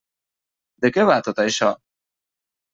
De què va tot això?